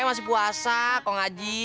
eh masih puasa kong aji